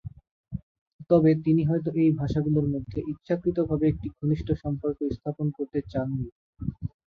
তবে তিনি হয়ত এই ভাষা গুলোর মধ্যে ইচ্ছাকৃতভাবে একটি ঘনিষ্ঠ সম্পর্ক স্থাপন করতে চাননি।